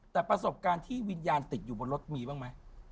แต่ประสบการณ์ที่วิญญาณติดอยู่บนรถมีบ้างไหม